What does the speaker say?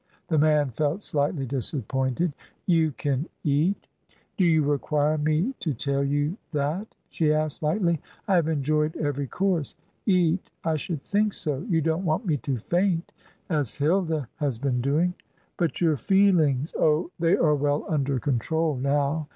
The man felt slightly disappointed. "You can eat?" "Do you require me to tell you that?" she asked lightly. "I have enjoyed every course. Eat I should think so. You don't want me to faint, as Hilda has been doing." "But your feelings" "Oh, they are well under control, now.